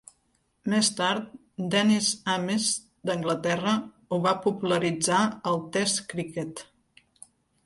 Més tard, Dennis Amiss d'Anglaterra ho va popularitzar al test criquet.